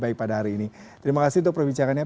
baik pada hari ini terima kasih untuk perbicaraannya